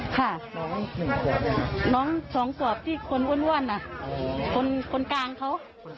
ค่ะน้องสองกวาบที่คนวั่นวั่นอ่ะคนกลางเขา